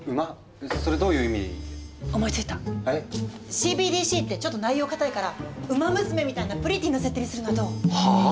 ＣＢＤＣってちょっと内容固いから「ウマ娘」みたいなプリティーな設定にするのはどう？はあ？